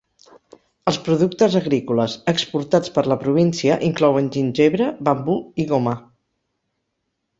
Els productes agrícoles exportats per la província inclouen gingebre, bambú i goma.